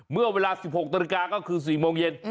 เมื่อเวลา๑๖นาฬิกาก็คือ๔โมงเย็น